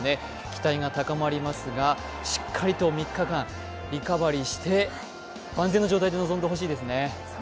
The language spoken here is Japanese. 期待が高まりますが、しっかりと３日間リカバリーして万全の状態で臨んでほしいですね。